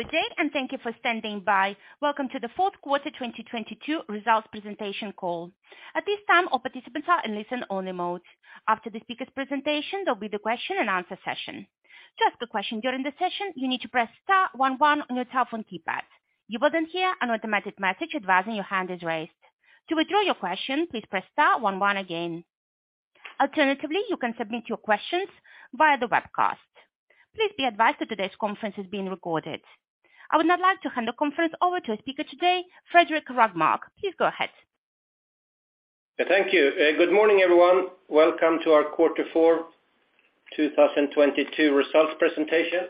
Good day, and thank you for standing by. Welcome to the fourth quarter 2022 results presentation call. At this time, all participants are in listen-only mode. After the speaker's presentation, there'll be the question and answer session. To ask a question during the session, you need to press star one one on your telephone keypad. You will then hear an automatic message advising your hand is raised. To withdraw your question, please press star one one again. Alternatively, you can submit your questions via the webcast. Please be advised that today's conference is being recorded. I would now like to hand the conference over to a speaker today, Fredrik Rågmark. Please go ahead. Thank you. Good morning, everyone. Welcome to our Q4 2022 results presentation.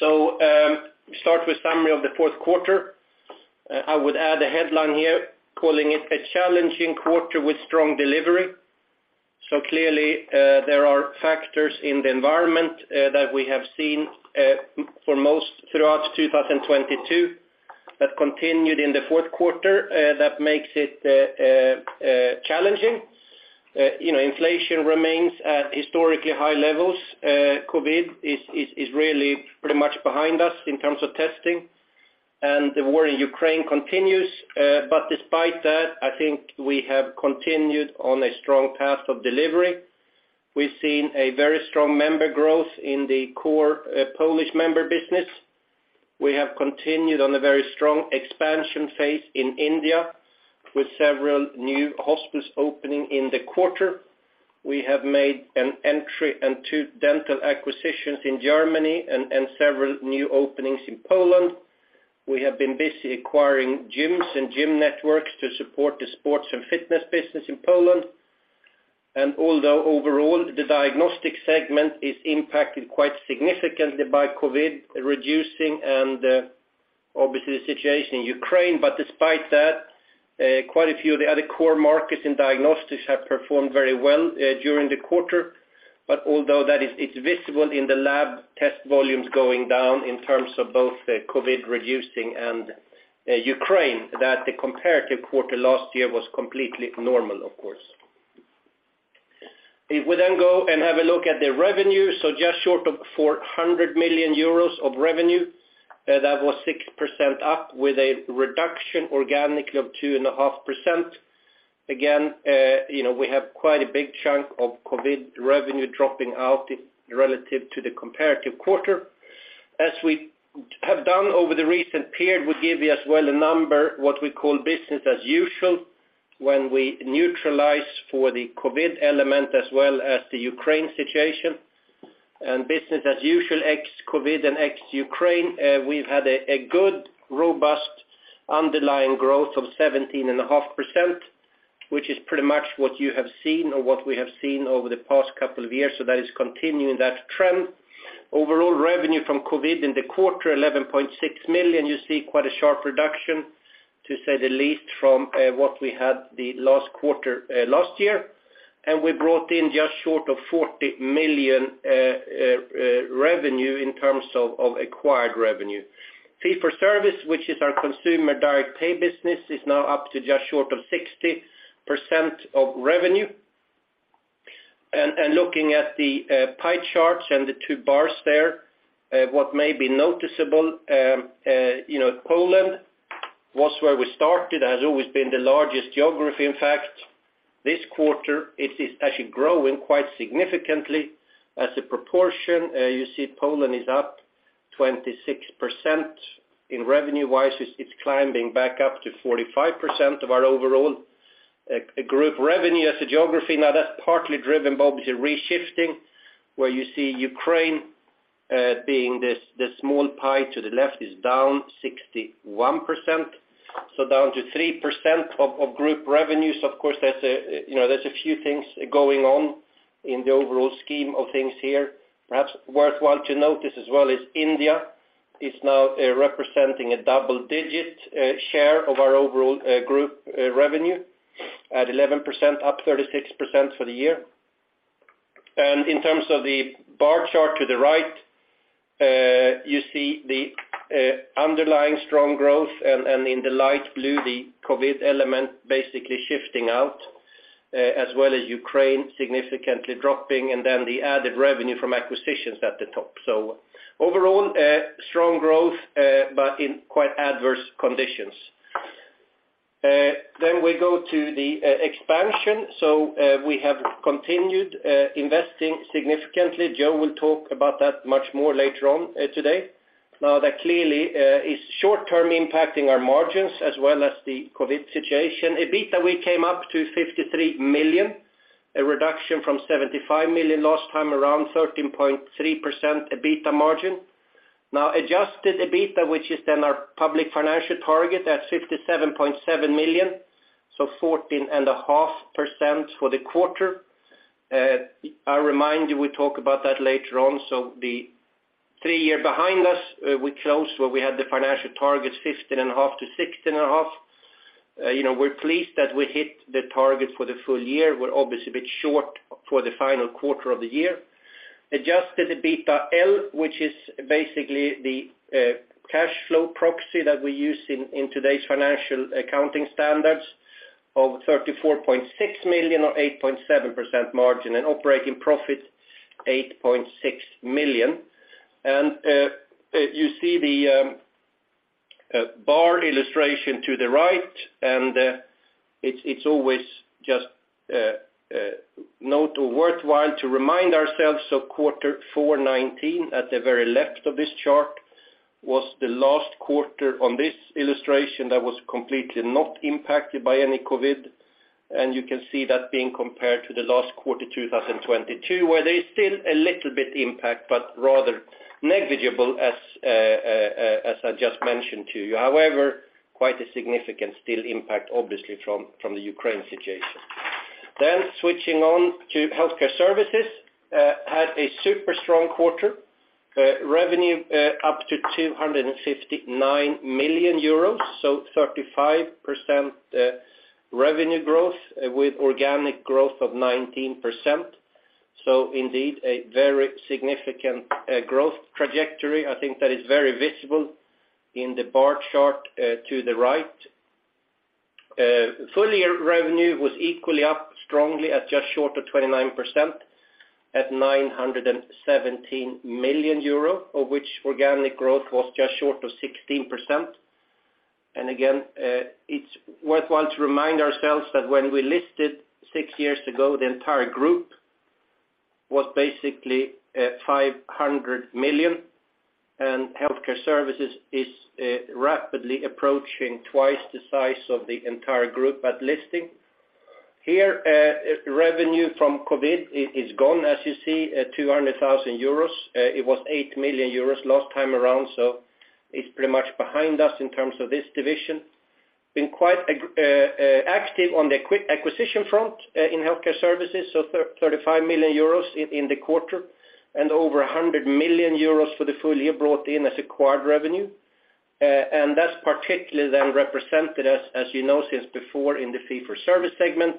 We start with summary of the fourth quarter. I would add a headline here calling it a challenging quarter with strong delivery. Clearly, there are factors in the environment that we have seen for most throughout 2022 that continued in the fourth quarter that makes it challenging. You know, inflation remains at historically high levels. COVID is really pretty much behind us in terms of testing, and the war in Ukraine continues. Despite that, I think we have continued on a strong path of delivery. We've seen a very strong member growth in the core Polish member business. We have continued on a very strong expansion phase in India with several new hospitals opening in the quarter. We have made an entry and two dental acquisitions in Germany and several new openings in Poland. We have been busy acquiring gyms and gym networks to support the sports and fitness business in Poland. Although overall the diagnostic segment is impacted quite significantly by COVID reducing and obviously the situation in Ukraine, but despite that, quite a few of the other core markets in diagnostics have performed very well during the quarter. Although it's visible in the lab test volumes going down in terms of both the COVID reducing and Ukraine, that the comparative quarter last year was completely normal, of course. We then go and have a look at the revenue, just short of 400 million euros of revenue, that was 6% up with a reduction organically of 2.5%. Again, you know, we have quite a big chunk of COVID revenue dropping out relative to the comparative quarter. As we have done over the recent period, we give you as well a number, what we call Business as Usual, when we neutralize for the COVID element as well as the Ukraine situation. Business as Usual, ex-COVID and ex-Ukraine, we've had a good, robust underlying growth of 17.5%, which is pretty much what you have seen or what we have seen over the past couple of years. That is continuing that trend. Overall revenue from COVID in the quarter, 11.6 million. You see quite a sharp reduction to say the least from what we had the last quarter last year. We brought in just short of 40 million revenue in terms of acquired revenue. Fee-for-service, which is our consumer direct pay business, is now up to just short of 60% of revenue. Looking at the pie charts and the two bars there, what may be noticeable, you know, Poland was where we started, has always been the largest geography. In fact, this quarter it is actually growing quite significantly as a proportion. You see Poland is up 26%. Revenue-wise, it's climbing back up to 45% of our overall group revenue as a geography. Now that's partly driven by obviously reshifting, where you see Ukraine, being this small pie to the left is down 61%, so down to 3% of group revenues. Of course, there's a, you know, there's a few things going on in the overall scheme of things here. Perhaps worthwhile to notice as well is India is now representing a double-digit share of our overall group revenue at 11%, up 36% for the year. In terms of the bar chart to the right, you see the underlying strong growth and in the light blue, the COVID element basically shifting out, as well as Ukraine significantly dropping and then the added revenue from acquisitions at the top. Overall, strong growth, but in quite adverse conditions. We go to the expansion. We have continued investing significantly. Joe will talk about that much more later on today. That clearly is short-term impacting our margins as well as the COVID situation. EBITDA, we came up to 53 million, a reduction from 75 million last time, around 13.3% EBITDA margin. adjusted EBITDA, which is then our public financial target at 57.7 million, so 14.5% for the quarter. I remind you we talk about that later on. The three year behind us, we closed where we had the financial targets 15.5%-16.5%. You know, we're pleased that we hit the target for the full year. We're obviously a bit short for the final quarter of the year. Adjusted EBITDAaL, which is basically the cash flow proxy that we use in today's financial accounting standards, of 34.6 million or 8.7% margin and operating profit 8.6 million. You see the bar illustration to the right, and it's always just note or worthwhile to remind ourselves of Q4 2019 at the very left of this chart was the last quarter on this illustration that was completely not impacted by any COVID. You can see that being compared to the last quarter 2022, where there is still a little bit impact, but rather negligible as I just mentioned to you. Quite a significant still impact obviously from the Ukraine situation. Switching on to Healthcare Services, had a super strong quarter, revenue up to 259 million euros, 35% revenue growth with organic growth of 19%. Indeed a very significant growth trajectory. I think that is very visible in the bar chart to the right. Full year revenue was equally up strongly at just short of 29% at 917 million euro, of which organic growth was just short of 16%. Again, it's worthwhile to remind ourselves that when we listed 6 years ago, the entire group was basically 500 million, and Healthcare Services is rapidly approaching twice the size of the entire group at listing. Here, revenue from COVID is gone as you see, 200,000 euros. It was 8 million euros last time around, it's pretty much behind us in terms of this division. Been quite active on the acquisition front in Healthcare Services, 35 million euros in the quarter and over 100 million euros for the full year brought in as acquired revenue. That's particularly then represented as you know since before in the Fee-for-service segment.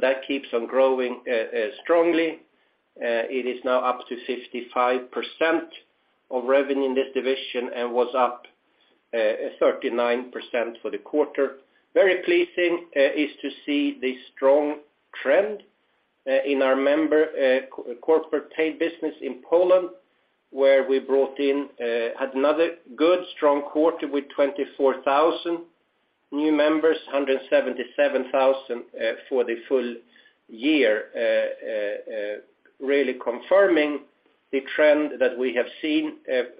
That keeps on growing strongly. It is now up to 55% of revenue in this division and was up 39% for the quarter. Very pleasing, is to see the strong trend, in our member, co- corporate paid business in Poland, where we brought in, had another good strong quarter with 24,000 new members, 177,000, for the full year, really confirming the trend that we have seen,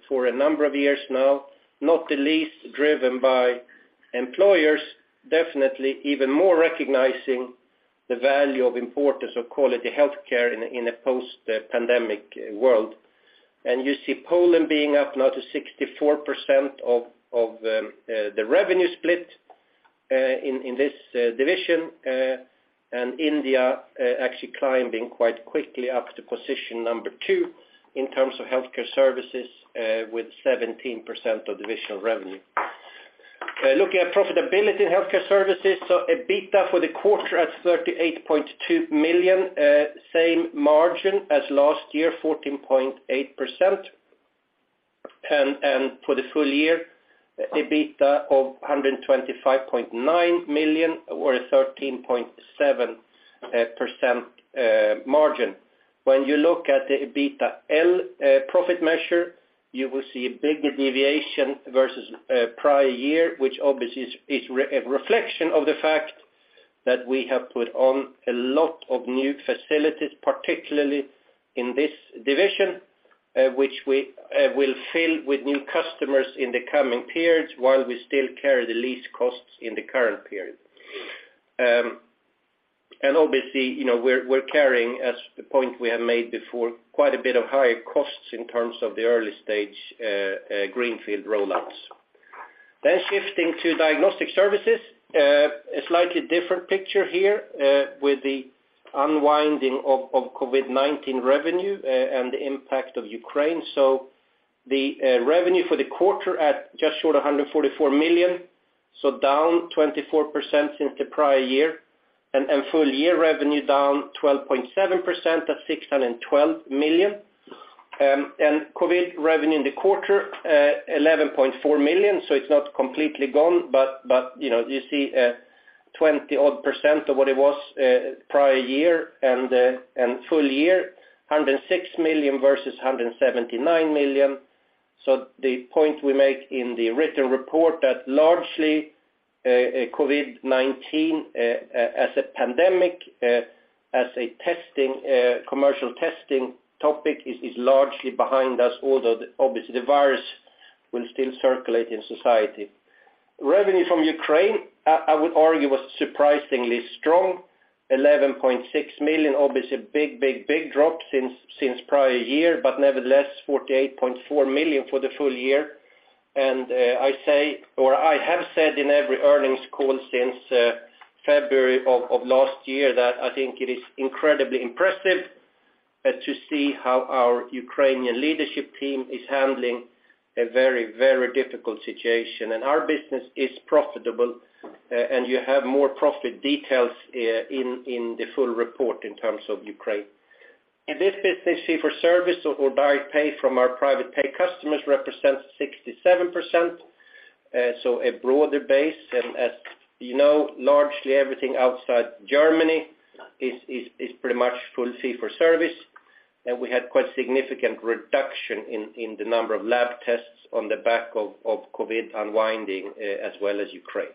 for a number of years now, not the least driven by employers, definitely even more recognizing the value of importance of quality healthcare in a, in a post-pandemic world. You see Poland being up now to 64% of, the revenue split, in this, division, and India, actually climbing quite quickly up to position number two in terms of Healthcare Services, with 17% of divisional revenue. Looking at profitability in Healthcare Services, EBITDA for the quarter at 38.2 million, same margin as last year, 14.8%. For the full year, EBITDA of 125.9 million or a 13.7% margin. When you look at the EBITDAaL profit measure, you will see a bigger deviation versus prior year, which obviously is a reflection of the fact that we have put on a lot of new facilities, particularly in this division, which we will fill with new customers in the coming periods while we still carry the lease costs in the current period. Obviously, you know, we're carrying, as the point we have made before, quite a bit of higher costs in terms of the early stage greenfield rollouts. Shifting to Diagnostic Services, a slightly different picture here, with the unwinding of COVID-19 revenue, and the impact of Ukraine. The revenue for the quarter at just short 144 million, down 24% since the prior year. Full year revenue down 12.7% at 612 million. COVID revenue in the quarter, 11.4 million, so it's not completely gone. You know, you see 20-odd percent of what it was prior year, full year, 106 million versus 179 million. The point we make in the written report that largely COVID-19, as a pandemic, as a testing, commercial testing topic is largely behind us, although obviously the virus will still circulate in society. Revenue from Ukraine, I would argue was surprisingly strong, 11.6 million, obviously a big, big, big drop since prior year, but nevertheless 48.4 million for the full year. I have said in every earnings call since February of last year that I think it is incredibly impressive to see how our Ukrainian leadership team is handling a very, very difficult situation. Our business is profitable, and you have more profit details in the full report in terms of Ukraine. In this business, Fee-for-service or direct pay from our private pay customers represents 67%, so a broader base. As you know, largely everything outside Germany is pretty much full Fee-for-service. We had quite significant reduction in the number of lab tests on the back of COVID unwinding, as well as Ukraine.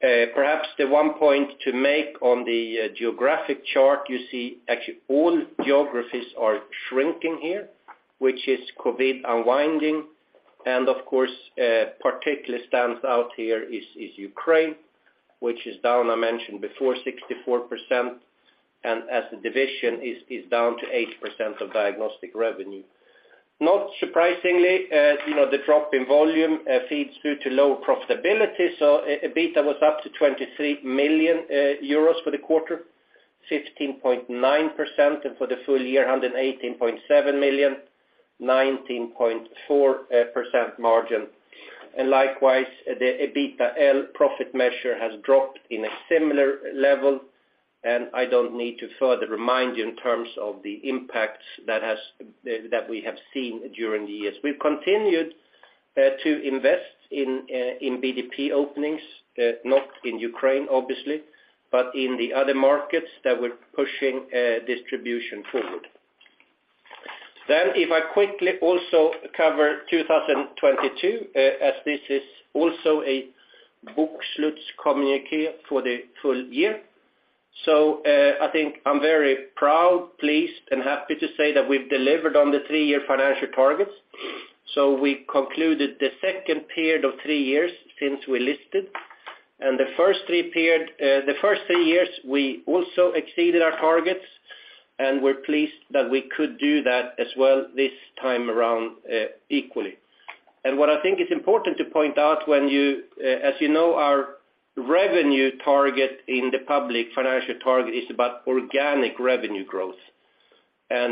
Perhaps the one point to make on the geographic chart, you see actually all geographies are shrinking here, which is COVID unwinding. Of course, particularly stands out here is Ukraine, which is down, I mentioned before 64% and as the division is down to 8% of diagnostic revenue. Not surprisingly, as you know, the drop in volume feeds through to lower profitability. EBITDA was up to 23 million euros for the quarter, 15.9%. For the full year, 118.7 million, 19.4% margin. Likewise, the EBITDAaL profit measure has dropped in a similar level. I don't need to further remind you in terms of the impacts that we have seen during the years. We've continued to invest in BDP openings, not in Ukraine obviously, but in the other markets that we're pushing distribution forward. If I quickly also cover 2022, as this is also a book slots communique for the full year. I think I'm very proud, pleased, and happy to say that we've delivered on the three-year financial targets. We concluded the second period of three years since we listed. The first three years, we also exceeded our targets, and we're pleased that we could do that as well this time around equally. What I think is important to point out when you... As you know, our revenue target in the public financial target is about organic revenue growth.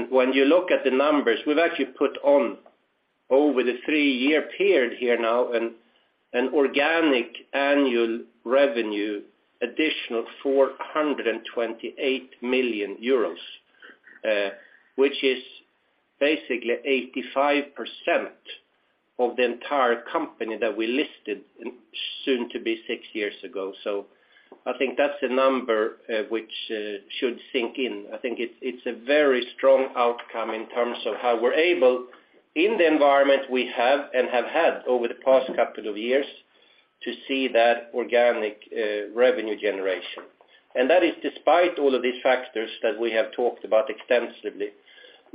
When you look at the numbers, we've actually put on over the three-year period here now an organic annual revenue, additional 428 million euros, which is basically 85% of the entire company that we listed soon to be six years ago. I think that's a number which should sink in. I think it's a very strong outcome in terms of how we're able in the environment we have and have had over the past couple of years to see that organic revenue generation. That is despite all of these factors that we have talked about extensively.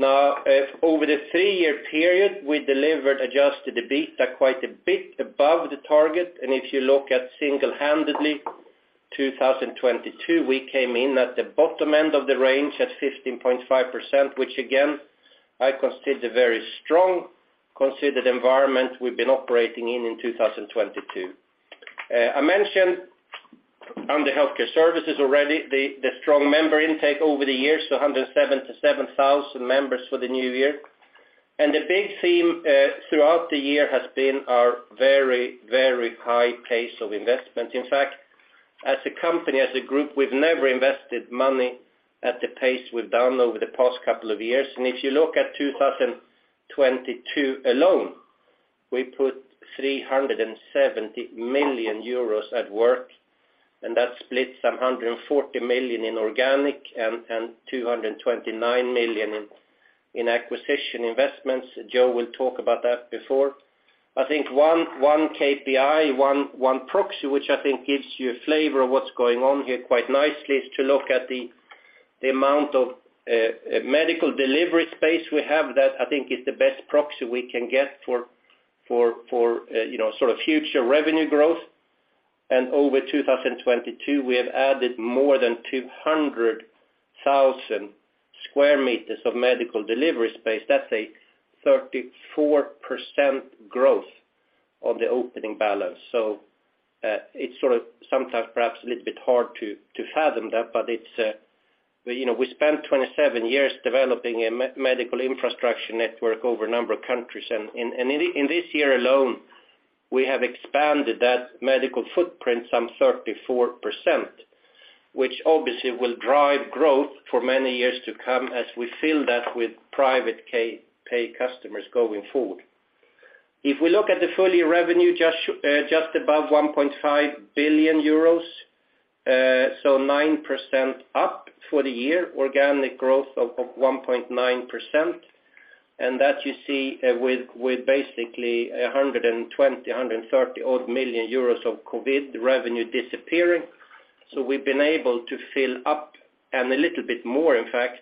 Over the three-year period, we delivered adjusted EBITDA quite a bit above the target. If you look at single-handedly 2022, we came in at the bottom end of the range at 15.5%, which again, I consider very strong considered environment we've been operating in in 2022. I mentioned on the Healthcare Services already the strong member intake over the years, so 177,000 members for the new year. The big theme throughout the year has been our very, very high pace of investment. In fact, as a company, as a group, we've never invested money at the pace we've done over the past couple of years. If you look at 2022 alone, we put 370 million euros at work, and that splits some 140 million in organic and 229 million in acquisition investments. Joe will talk about that before. I think one KPI, one proxy, which I think gives you a flavor of what's going on here quite nicely, is to look at the amount of medical delivery space we have. That I think is the best proxy we can get for, for, you know, sort of future revenue growth. Over 2022, we have added more than 200,000 square meters of medical delivery space. That's a 34% growth on the opening balance. It's sort of sometimes perhaps a little bit hard to fathom that, but it's, you know, we spent 27 years developing a medical infrastructure network over a number of countries. In this year alone, we have expanded that medical footprint some 34%, which obviously will drive growth for many years to come as we fill that with private ca-pay customers going forward. We look at the full year revenue, just above 1.5 billion euros, so 9% up for the year, organic growth of 1.9%. That you see, with basically 120 million euros, EUR 130 million odd of COVID revenue disappearing. We've been able to fill up, and a little bit more in fact,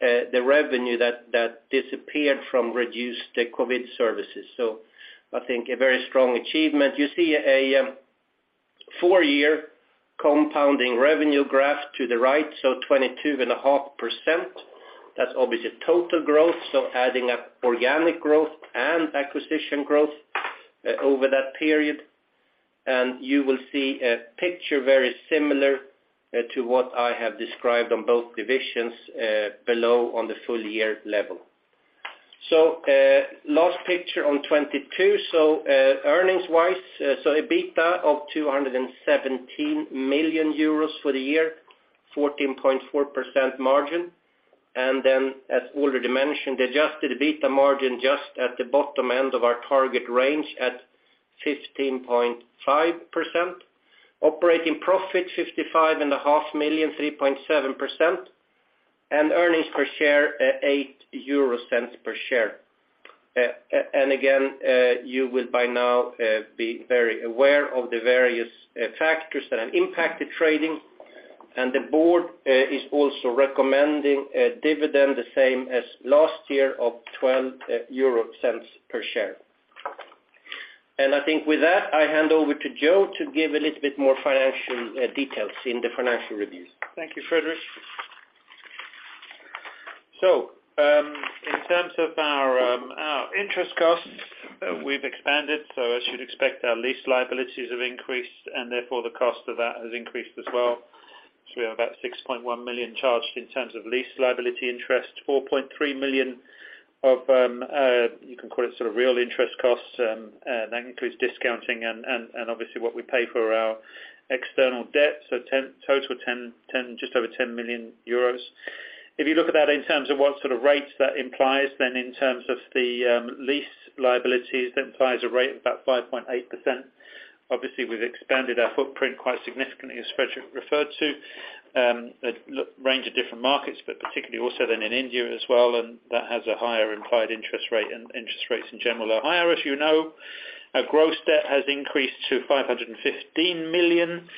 the revenue that disappeared from reduced COVID services. I think a very strong achievement. You see a four-year compounding revenue graph to the right, so 22.5%. That's obviously total growth, so adding up organic growth and acquisition growth over that period. You will see a picture very similar to what I have described on both divisions below on the full year level. Last picture on 2022. Earnings wise, EBITDA of 217 million euros for the year, 14.4% margin. As already mentioned, adjusted EBITDA margin just at the bottom end of our target range at 15.5%. Operating profit fifty-five and a half million, 3.7%, and earnings per share at 0.08 per share. Again, you will by now be very aware of the various factors that have impacted trading. The board, is also recommending a dividend the same as last year of 0.12 per share. I think with that, I hand over to Joe to give a little bit more financial, details in the financial review. Thank you, Fredrik. In terms of our interest costs, we've expanded, so as you'd expect, our lease liabilities have increased, and therefore, the cost of that has increased as well. We have about 6.1 million charged in terms of lease liability interest, 4.3 million of, you can call it sort of real interest costs, and that includes discounting and obviously what we pay for our external debt. Total just over 10 million euros. If you look at that in terms of what sort of rates that implies, then in terms of the lease liabilities, that implies a rate of about 5.8%. Obviously, we've expanded our footprint quite significantly, as Fredrik referred to, range of different markets, but particularly also then in India as well. That has a higher implied interest rate, and interest rates in general are higher as you know. Our gross debt has increased to 515 million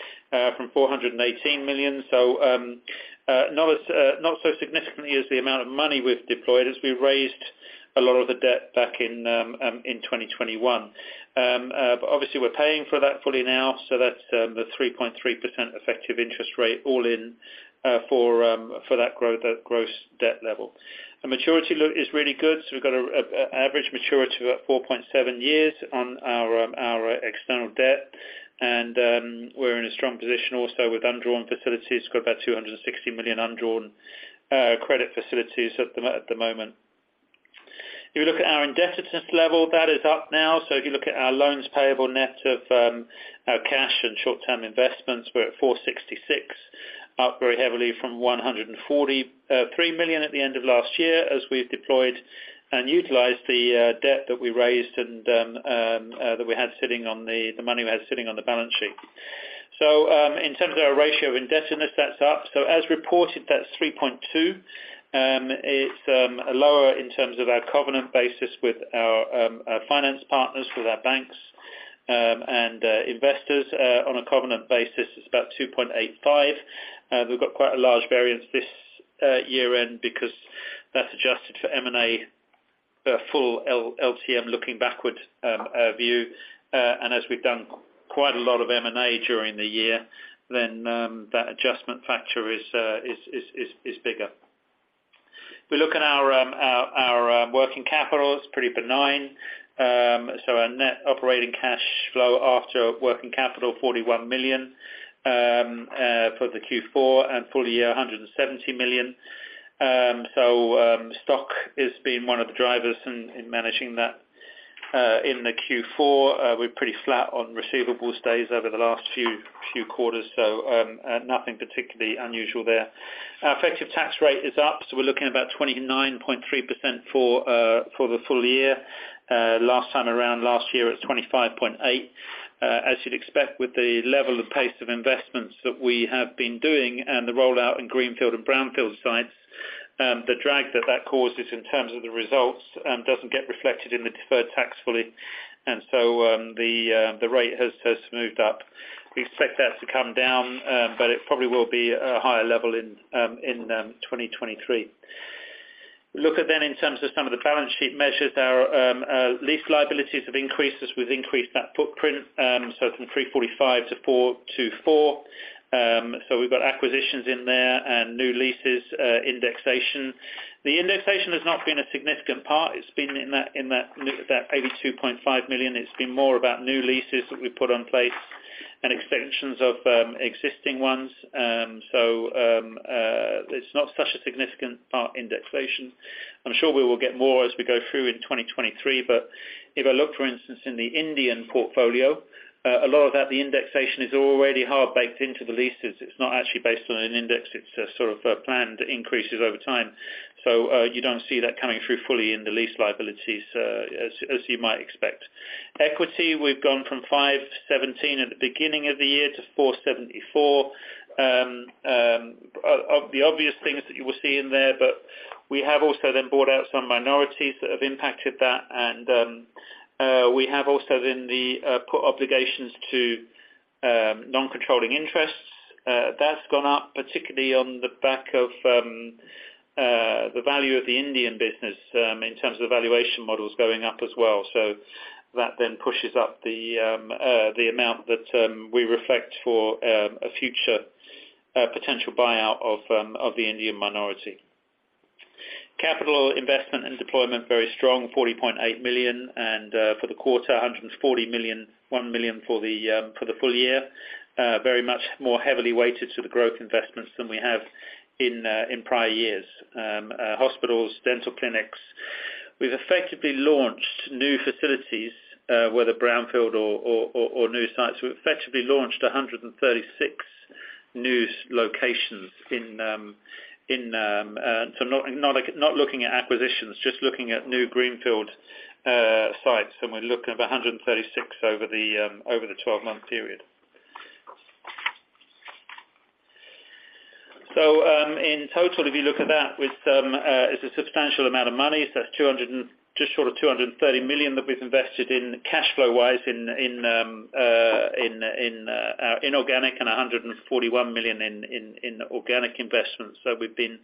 from 418 million. Not as not so significantly as the amount of money we've deployed as we raised a lot of the debt back in 2021. But obviously we're paying for that fully now, so that's the 3.3% effective interest rate all in for that gross debt level. Our maturity is really good. we've got an average maturity of about 4.7 years on our external debt. We're in a strong position also with undrawn facilities. Got about 260 million undrawn credit facilities at the moment. If you look at our indebtedness level, that is up now. If you look at our loans payable net of our cash and short-term investments, we're at 466, up very heavily from 143 million at the end of last year, as we've deployed and utilized the debt that we raised and the money we had sitting on the balance sheet. In terms of our ratio of indebtedness, that's up. As reported, that's 3.2. It's lower in terms of our covenant basis with our finance partners, with our banks, and investors, on a covenant basis, it's about 2.85. We've got quite a large variance this year-end because that's adjusted for M&A, full L-LTM, looking backward view. As we've done quite a lot of M&A during the year, that adjustment factor is bigger. If we look at our working capital, it's pretty benign. Our net operating cash flow after working capital, 41 million for the Q4 and full year, 170 million. Stock has been one of the drivers in managing that in the Q4. We're pretty flat on receivables days over the last few quarters, nothing particularly unusual there. Our effective tax rate is up, we're looking at about 29.3% for the full year. Last time around, last year, it was 25.8%. As you'd expect with the level of pace of investments that we have been doing and the rollout in greenfield and brownfield sites, the drag that that causes in terms of the results doesn't get reflected in the deferred tax fully. The rate has moved up. We expect that to come down, it probably will be a higher level in 2023. Look at then in terms of some of the balance sheet measures. Our lease liabilities have increased as we've increased that footprint, from 345-424. We've got acquisitions in there and new leases, indexation. The indexation has not been a significant part. It's been in that 82.5 million. It's been more about new leases that we put in place and extensions of existing ones. It's not such a significant part, indexation. I'm sure we will get more as we go through in 2023, if I look, for instance, in the Indian portfolio, a lot of that, the indexation is already half-baked into the leases. It's not actually based on an index. It's planned increases over time. You don't see that coming through fully in the lease liabilities, as you might expect. Equity, we've gone from 517 at the beginning of the year to 474. The obvious things that you will see in there, but we have also then bought out some minorities that have impacted that. We have also then the put obligations to non-controlling interests. That's gone up, particularly on the back of the value of the Indian business, in terms of the valuation models going up as well. That then pushes up the amount that we reflect for a future potential buyout of the Indian minority. Capital investment and deployment, very strong, 40.8 million, and for the quarter, 140 million, 1 million for the full year. Very much more heavily weighted to the growth investments than we have in prior years. Hospitals, dental clinics. We've effectively launched new facilities, whether brownfield or new sites. We've effectively launched 136 new locations, not looking at acquisitions, just looking at new greenfield sites. We're looking at 136 over the 12-month period. In total, if you look at that, it's a substantial amount of money. That's 200 and... Just short of 230 million that we've invested in cash flow wise in inorganic and 141 million in organic investments. We've been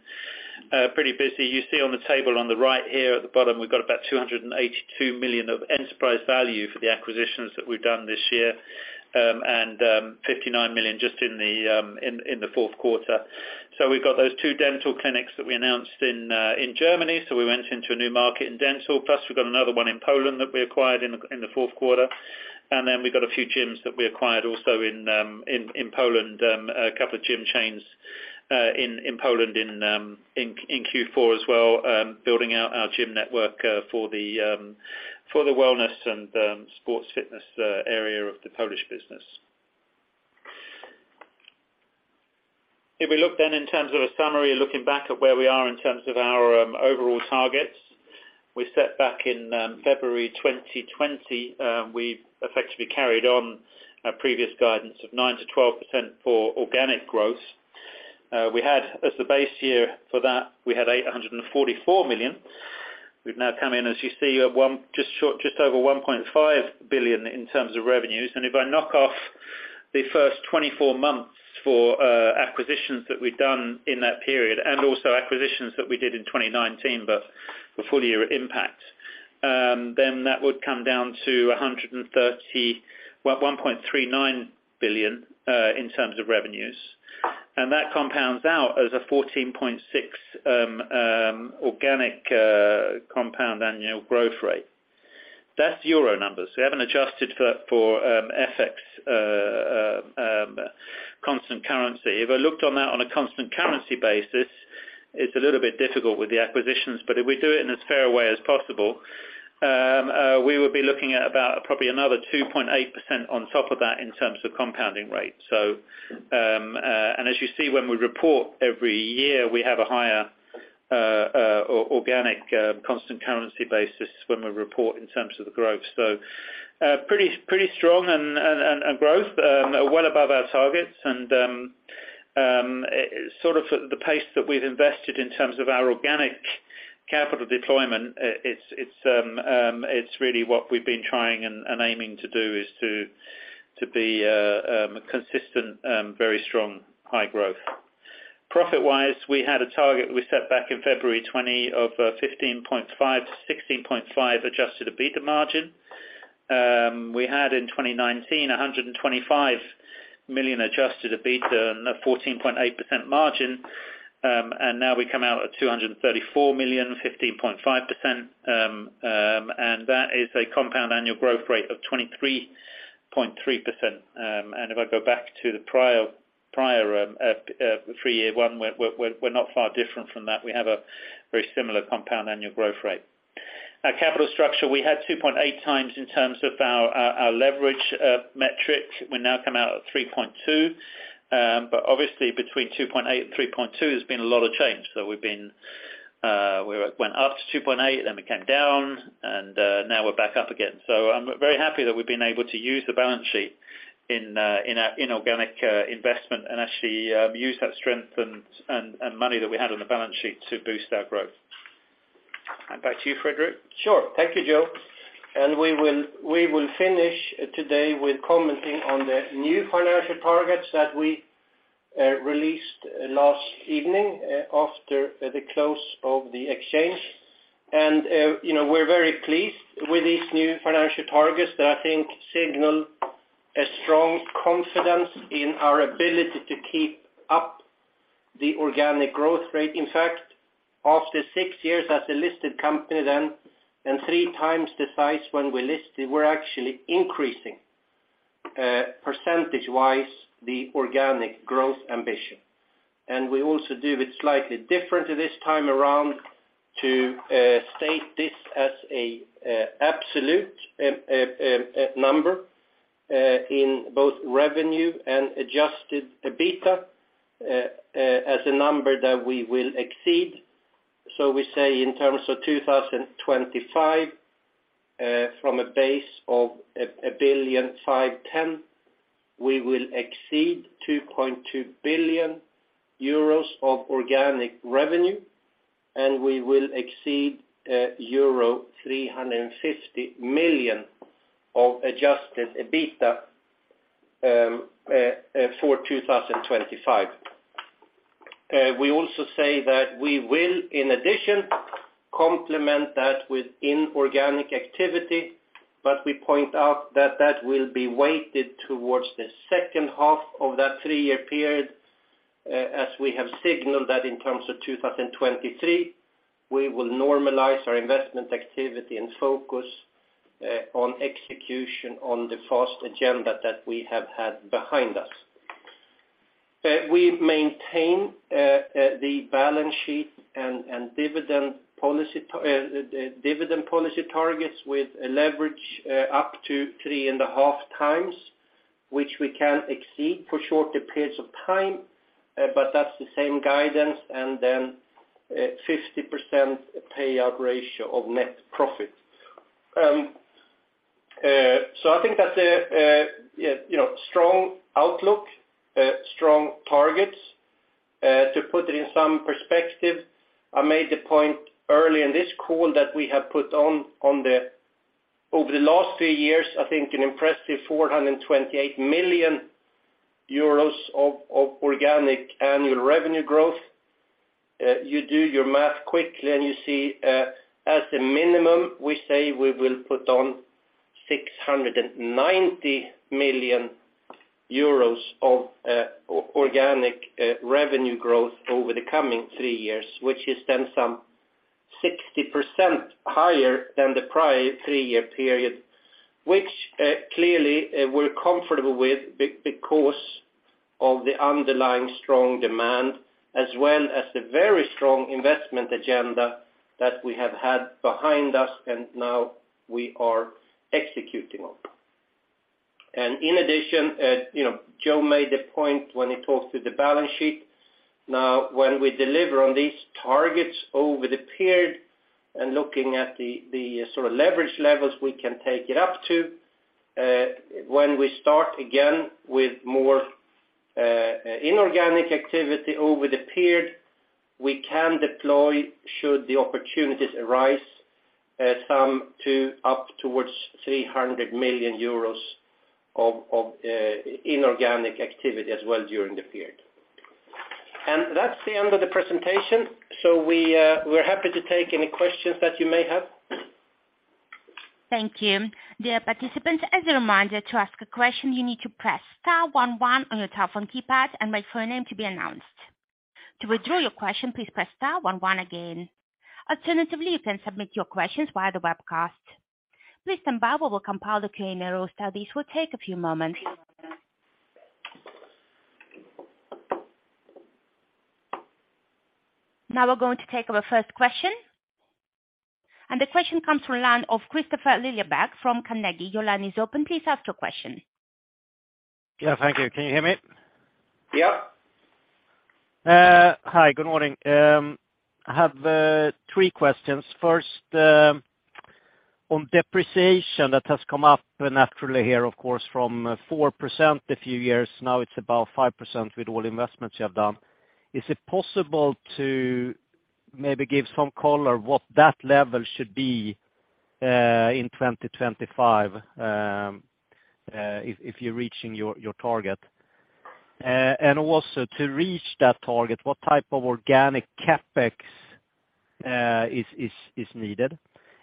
pretty busy. You see on the table on the right here at the bottom, we've got about 282 million of enterprise value for the acquisitions that we've done this year. 59 million just in the fourth quarter. We've got those twodental clinics that we announced in Germany. We went into a new market in dental, plus we got another one in Poland that we acquired in the fourth quarter. We got a few gyms that we acquired also in Poland, a couple of gym chains in Poland in Q4 as well, building out our gym network for the wellness and sports fitness area of the Polish business. If we look in terms of a summary, looking back at where we are in terms of our overall targets we set back in February 2020. We've effectively carried on our previous guidance of 9%-12% for organic growth. We had, as the base year for that, we had 844 million. We've now come in, as you see, you have just over 1.5 billion in terms of revenues. If I knock off the first 24 months for acquisitions that we've done in that period, and also acquisitions that we did in 2019, but the full year impact, then that would come down to 1.39 billion in terms of revenues. That compounds out as a 14.6% organic compound annual growth rate. That's EUR numbers. We haven't adjusted for FX constant currency. If I looked on that on a constant currency basis, it's a little bit difficult with the acquisitions. If we do it in as fair way as possible, we would be looking at about probably another 2.8% on top of that in terms of compounding rate. As you see, when we report every year, we have a higher organic constant currency basis when we report in terms of the growth. Pretty, pretty strong and growth well above our targets. The pace that we've invested in terms of our organic capital deployment, it's really what we've been trying and aiming to do, is to be consistent, very strong high growth. Profit-wise, we had a target we set back in February 20 of 15.5% to 16.5% adjusted EBITDA margin. We had in 2019, 125 million adjusted EBITDA, and a 14.8% margin. And now we come out at 234 million, 15.5%. That is a compound annual growth rate of 23.3%. If I go back to the prior three year one, we're not far different from that. We have a very similar compound annual growth rate. Our capital structure, we had 2.8x in terms of our leverage metric. We now come out at 3.2. Obviously between 2.8 and 3.2, there's been a lot of change. We've been, we went up to 2.8, then we came down, and now we're back up again. I'm very happy that we've been able to use the balance sheet in organic investment and actually use that strength and money that we had on the balance sheet to boost our growth. Back to you, Fredrik. Sure. Thank you, Joe. We will finish today with commenting on the new financial targets that we released last evening, after the close of the exchange. You know, we're very pleased with these new financial targets that I think signal a strong confidence in our ability to keep up the organic growth rate. In fact, after 6 years as a listed company then, and 3x the size when we listed, we're actually increasing percentage-wise, the organic growth ambition. We also do it slightly different this time around to state this as an absolute number in both revenue and adjusted EBITDA as a number that we will exceed. we say in terms of 2025, from a base of 1.51 billion, we will exceed 2.2 billion euros of organic revenue, and we will exceed euro 350 million of adjusted EBITDA for 2025. We also say that we will, in addition, complement that with inorganic activity, but we point out that that will be weighted towards the second half of that three-year period, as we have signaled that in terms of 2023, we will normalize our investment activity and focus on execution on the fast agenda that we have had behind us. We maintain the balance sheet and dividend policy targets with a leverage up to 3.5 times, which we can exceed for shorter periods of time, but that's the same guidance, and then 50% payout ratio of net profit. I think that's a, you know, strong outlook, strong targets. To put it in some perspective, I made the point early in this call that we have put on over the last three years, I think an impressive 428 million euros of organic annual revenue growth. You do your math quickly, and you see, as a minimum, we say we will put on 690 million euros of organic revenue growth over the coming three years, which is then some 60% higher than the prior three-year period, which clearly we're comfortable with because of the underlying strong demand, as well as the very strong investment agenda that we have had behind us and now we are executing on. In addition, you know, Joe made the point when he talked to the balance sheet. When we deliver on these targets over the period and looking at the sort of leverage levels we can take it up to, when we start again with more inorganic activity over the period, we can deploy should the opportunities arise, some to up towards 300 million euros of inorganic activity as well during the period. That's the end of the presentation. We're happy to take any questions that you may have. Thank you. Dear participants, as a reminder, to ask a question, you need to press star one one on your telephone keypad and wait for your name to be announced. To withdraw your question, please press star one one again. Alternatively, you can submit your questions via the webcast. Please stand by while we compile the Q&A roster. This will take a few moments. Now we're going to take our first question. The question comes from line of Kristofer Liljeberg from Carnegie. Your line is open. Please ask your question. Yeah, thank you. Can you hear me? Yeah. Hi, good morning. I have three questions. First, on depreciation that has come up naturally here, of course, from 4% a few years. Now it's about 5% with all investments you have done. Is it possible to maybe give some color what that level should be in 2025, if you're reaching your target? Also, to reach that target, what type of organic CapEx is needed?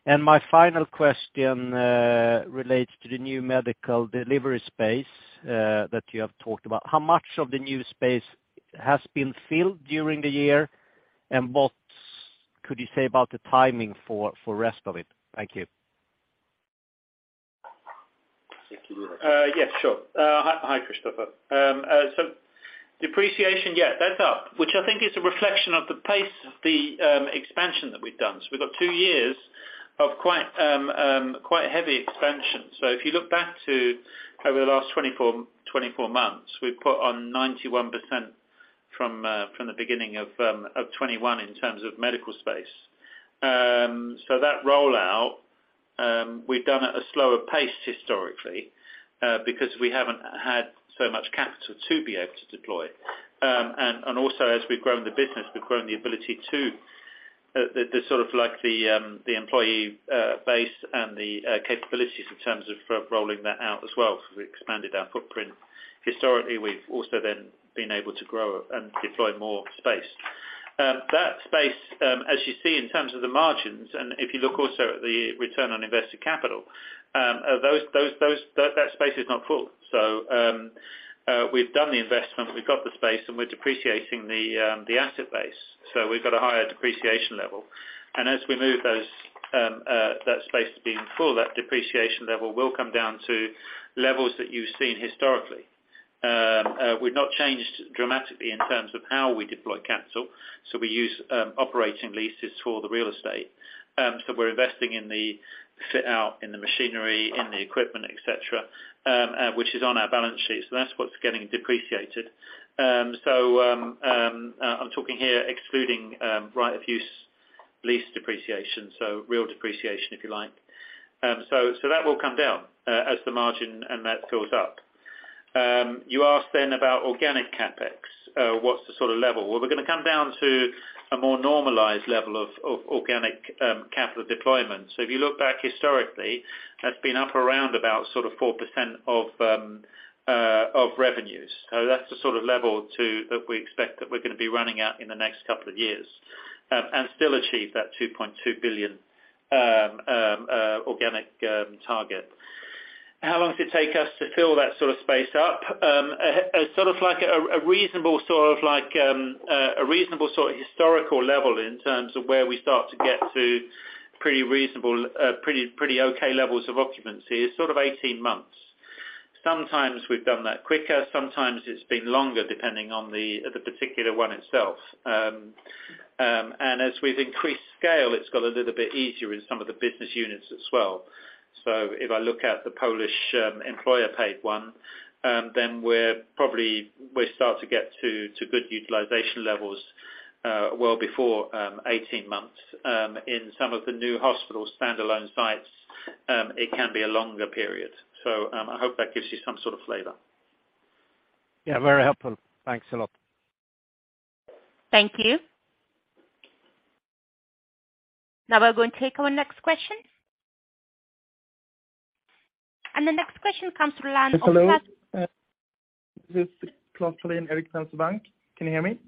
My final question relates to the new medical delivery space that you have talked about. How much of the new space has been filled during the year? What could you say about the timing for rest of it? Thank you. Thank you. Yes, sure. Hi, Christopher. So depreciation, that's up, which I think is a reflection of the pace of the expansion that we've done. We've got two years of quite heavy expansion. If you look back to over the last 24 months, we've put on 91% from the beginning of 2021 in terms of medical space. That rollout we've done at a slower pace historically because we haven't had so much capital to be able to deploy. Also as we've grown the business, we've grown the ability to the sort of like the employee base and the capabilities in terms of rolling that out as well, because we expanded our footprint. Historically, we've also been able to grow and deploy more space. That space, as you see in terms of the margins, and if you look also at the Return on Invested Capital, that space is not full. We've done the investment, we've got the space and we're depreciating the asset base. We've got a higher depreciation level. As we move that space to being full, that depreciation level will come down to levels that you've seen historically. We've not changed dramatically in terms of how we deploy capital. We use operating leases for the real estate. We're investing in the fit out, in the machinery, in the equipment, et cetera, which is on our balance sheet. That's what's getting depreciated. I'm talking here excluding Right-of-Use Asset Depreciation, so real depreciation if you like. That will come down as the margin and that fills up. You asked then about organic CapEx, what's the sort of level? Well, we're gonna come down to a more normalized level of organic capital deployment. If you look back historically, that's been up around about sort of 4% of revenues. That's the sort of level to that we expect that we're gonna be running at in the next couple of years and still achieve that 2.2 billion organic target. How long does it take us to fill that sort of space up? sort of like a reasonable sort of like a reasonable sort of historical level in terms of where we start to get to. Pretty reasonable, pretty okay levels of occupancy is sort of 18 months. Sometimes we've done that quicker, sometimes it's been longer, depending on the particular one itself. As we've increased scale, it's got a little bit easier in some of the business units as well. If I look at the Polish employer paid one, then we're starting to get to good utilization levels well before 18 months. In some of the new hospital standalone sites, it can be a longer period. I hope that gives you some sort of flavor. Yeah, very helpful. Thanks a lot. Thank you. Now we're going to take our next question. The next question comes from the line of Claus- Hello. This is Clas Tolfén, Erik Penser Bank. Can you hear me?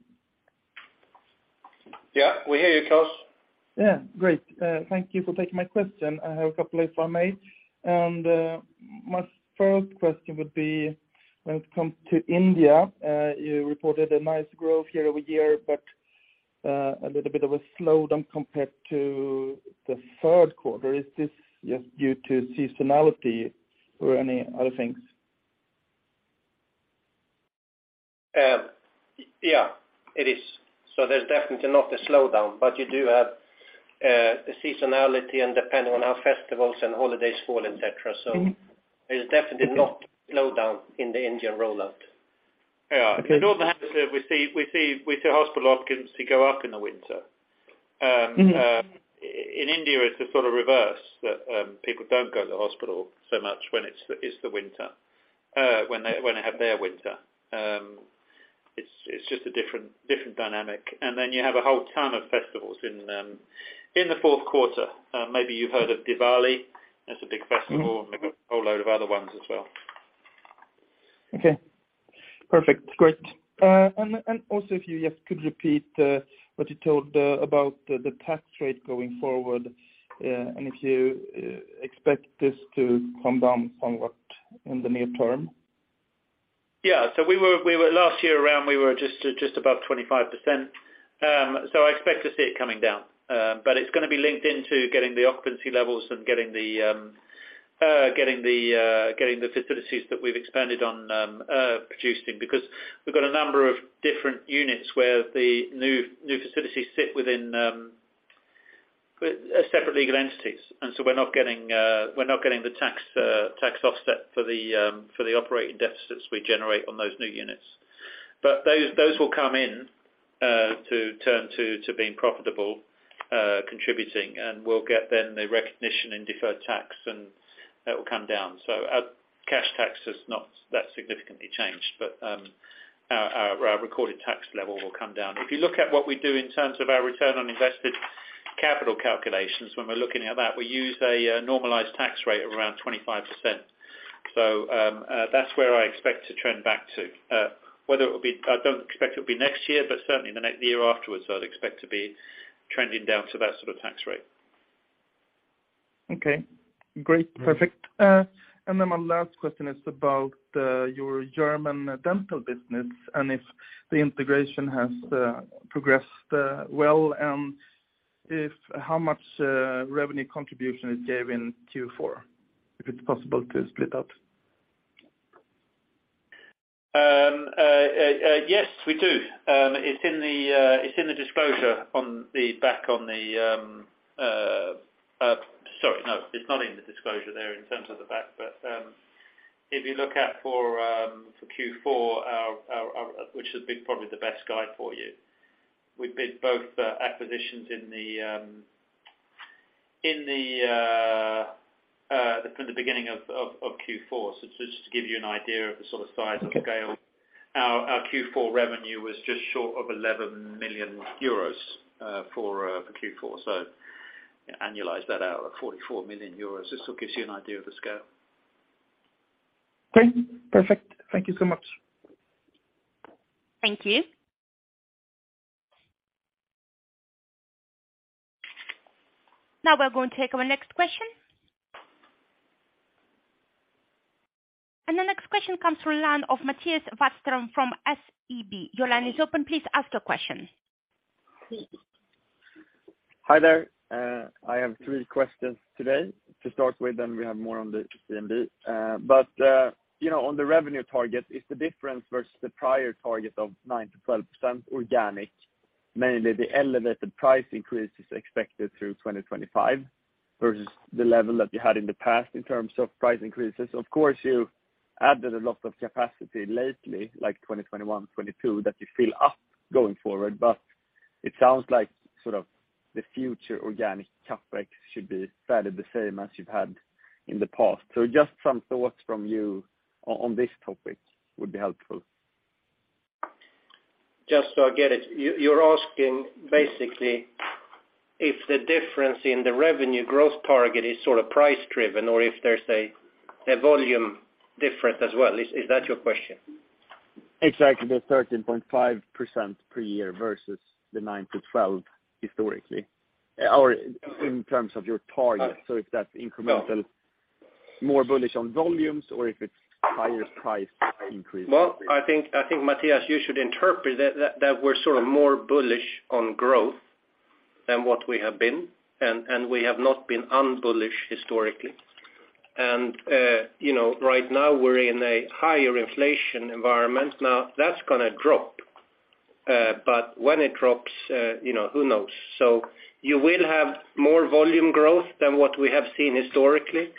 Yeah, we hear you, Claus. Yeah. Great. Thank you for taking my question. I have a couple if I may. My first question would be when it comes to India, you reported a nice growth year-over-year, but a little bit of a slowdown compared to the third quarter. Is this just due to seasonality or any other things? Yeah, it is. There's definitely not a slowdown, but you do have a seasonality and depending on how festivals and holidays fall, et cetera. Mm-hmm. There's definitely not slowdown in the Indian rollout. Yeah. In Northern Hemisphere we see hospital occupancy go up in the winter. Mm-hmm In India, it's the sort of reverse that people don't go to the hospital so much when it's the winter. When they have their winter, it's just a different dynamic. You have a whole ton of festivals in the fourth quarter. Maybe you've heard of Diwali. That's a big festival. Mm-hmm. They've got a whole load of other ones as well. Okay. Perfect. Great. Also if you just could repeat what you told about the tax rate going forward. If you expect this to come down somewhat in the near term. Yeah. We were last year around, we were just above 25%. I expect to see it coming down. It's going to be linked into getting the occupancy levels and getting the facilities that we've expanded on producing. We've got a number of different units where the new facilities sit within separate legal entities. We're not getting the tax tax offset for the operating deficits we generate on those new units. Those will come in to being profitable, contributing, we'll get then the recognition in deferred tax, and that will come down. Our cash tax has not that significantly changed, our recorded tax level will come down. If you look at what we do in terms of our Return on Invested Capital calculations, when we're looking at that, we use a normalized tax rate of around 25%. That's where I expect to trend back to. I don't expect it will be next year, but certainly the next year afterwards, I'd expect to be trending down to that sort of tax rate. Okay. Great. Perfect. My last question is about your German dental business, and if the integration has progressed well, and if how much revenue contribution it gave in Q4. If it's possible to split up? Yes, we do. It's in the disclosure on the back on the... Sorry, no. It's not in the disclosure there in terms of the back, but if you look at for Q4 our which has been probably the best guide for you. We bid both acquisitions in the from the beginning of Q4. Just to give you an idea of the sort of size of the scale. Okay. Our Q4 revenue was just short of 11 million euros for Q4. Annualize that out at 44 million euros. This all gives you an idea of the scale. Okay. Perfect. Thank you so much. Thank you. Now we're going to take our next question. The next question comes from line of Mattias Vadsten from SEB. Your line is open. Please ask your question. Hi there. I have three questions today to start with. We have more on the CMD. You know, on the revenue target, is the difference versus the prior target of 9%-12% organic, mainly the elevated price increase is expected through 2025 versus the level that you had in the past in terms of price increases? Of course, you added a lot of capacity lately, like 2021, 2022, that you fill up going forward, but it sounds like sort of the future organic CapEx should be fairly the same as you've had in the past. Just some thoughts from you on this topic would be helpful. Just so I get it, you're asking basically if the difference in the revenue growth target is sort of price driven or if there's a volume difference as well. Is that your question? Exactly. The 13.5% per year versus the 9%-12% historically, or in terms of your target. If that's incremental-More bullish on volumes or if it's higher price increase? I think, Mattias, you should interpret that we're sort of more bullish on growth than what we have been, and we have not been un-bullish historically. You know, right now we're in a higher inflation environment. That's gonna drop. When it drops, you know, who knows? You will have more volume growth than what we have seen historically,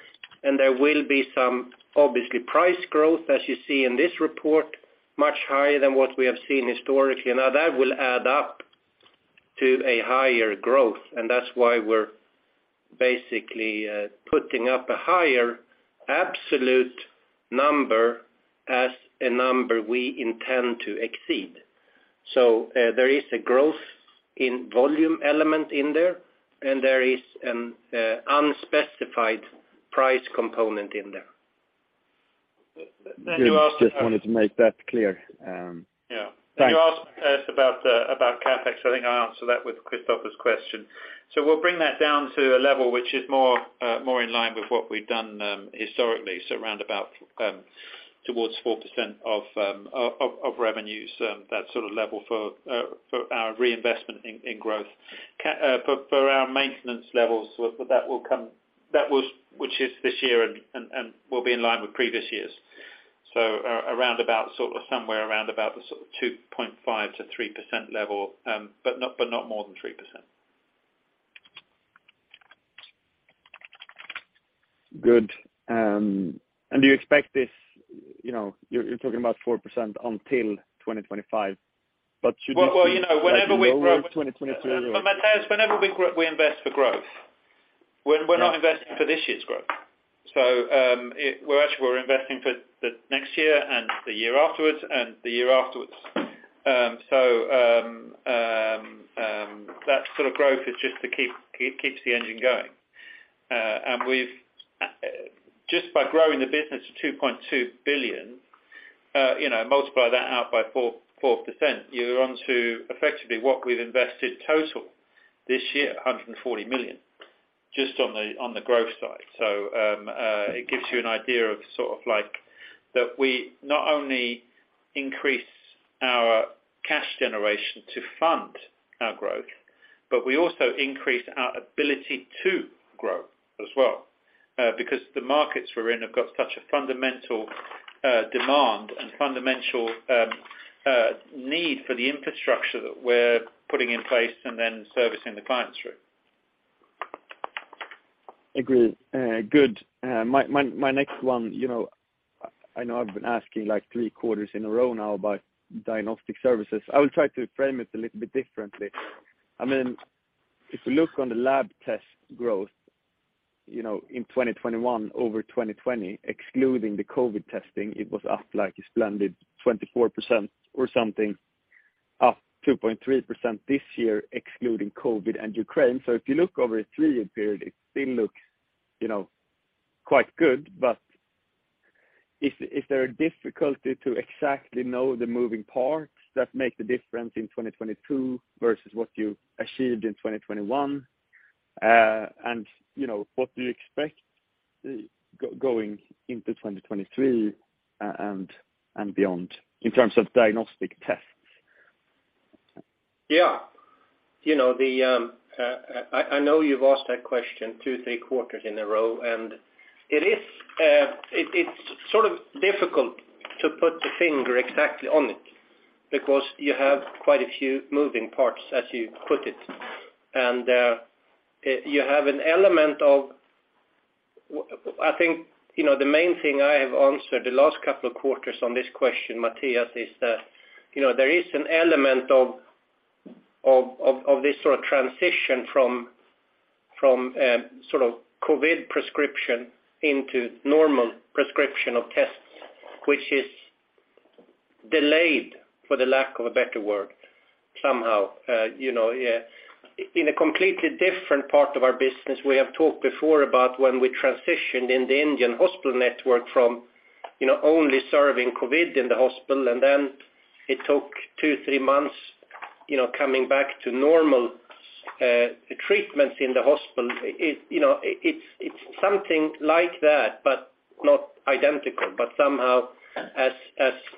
and there will be some obviously price growth, as you see in this report, much higher than what we have seen historically. That will add up to a higher growth, and that's why we're basically putting up a higher absolute number as a number we intend to exceed. There is a growth in volume element in there, and there is an unspecified price component in there. Then you asked us- Just wanted to make that clear. Yeah. Thanks. You asked us about CapEx. I think I answered that with Kristofer's question. We'll bring that down to a level which is more, more in line with what we've done historically, so around about towards 4% of revenues, that sort of level for our reinvestment in growth. For our maintenance levels, that will come, which is this year and will be in line with previous years. Around about somewhere around about the 2.5%-3% level, but not more than 3%. Good. Do you expect this, you know, you're talking about 4% until 2025, but should you- Well, you know, whenever we grow. Like in over 2023 or? Matthias, whenever we grow, we invest for growth. We're not investing for this year's growth. We're actually, we're investing for the next year and the year afterwards and the year afterwards. So that sort of growth is just to keep the engine going. And just by growing the business to 2.2 billion, you know, multiply that out by 4%, you're on to effectively what we've invested total this year, 140 million just on the growth side. It gives you an idea of sort of like that we not only increase our cash generation to fund our growth, but we also increase our ability to grow as well, because the markets we're in have got such a fundamental demand and fundamental need for the infrastructure that we're putting in place and then servicing the clients through. Agreed. Good. My next one, you know, I know I've been asking like three quarters in a row now about Diagnostic Services. I will try to frame it a little bit differently. I mean, if you look on the lab test growth, you know, in 2021 over 2020, excluding the COVID testing, it was up like a splendid 24% or something, up 2.3% this year, excluding COVID and Ukraine. If you look over a three-year period, it still looks, you know, quite good. Is there a difficulty to exactly know the moving parts that make the difference in 2022 versus what you achieved in 2021? And, you know, what do you expect going into 2023 and beyond in terms of diagnostic tests? Yeah. You know, the, I know you've asked that question two, three quarters in a row, and it is, it's sort of difficult to put the finger exactly on it because you have quite a few moving parts, as you put it. You have an element of. I think, you know, the main thing I have answered the last couple of quarters on this question, Mattias, is that, you know, there is an element of this sort of transition from sort of COVID prescription into normal prescription of tests, which is delayed, for the lack of a better word, somehow. you know, in a completely different part of our business, we have talked before about when we transitioned in the Indian hospital network from, you know, only serving COVID in the hospital, and then it took two, three months, you know, coming back to normal, treatments in the hospital. It, you know, it's something like that, but not identical. Somehow as,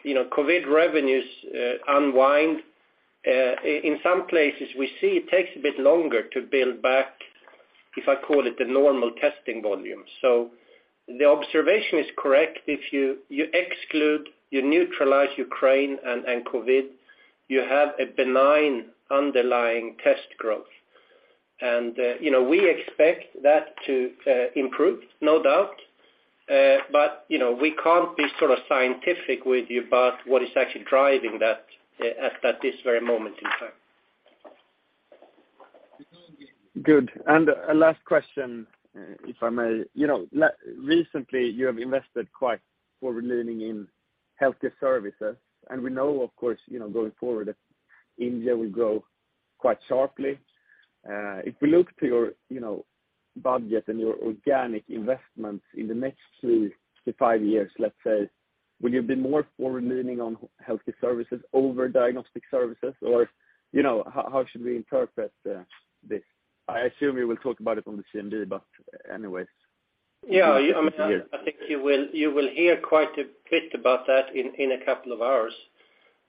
you know, COVID revenues unwind, in some places, we see it takes a bit longer to build back, if I call it the normal testing volume. The observation is correct. If you exclude, you neutralize Ukraine and COVID, you have a benign underlying test growth. you know, we expect that to improve, no doubt. You know, we can't be sort of scientific with you about what is actually driving that at this very moment in time. Good. A last question, if I may. You know, recently, you have invested quite forward leaning in Healthcare Services, and we know, of course, you know, going forward that India will grow quite sharply. If we look to your, you know, budget and your organic investments in the next three to five years, let's say. Will you be more forward leaning on Healthcare Services over Diagnostic Services, or, you know, how should we interpret this? I assume you will talk about it on the CMD, but anyways. I mean, I think you will hear quite a bit about that in a couple of hours.